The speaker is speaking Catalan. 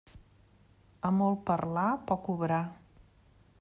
A molt parlar, poc obrar.